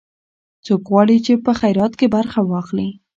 څوک غواړي چې په خیرات کې برخه واخلي؟